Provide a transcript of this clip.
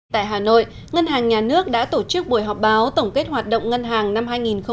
tại hà nội ngân hàng nhà nước đã tổ chức buổi họp báo tổng kết hoạt động ngân hàng năm hai nghìn một mươi chín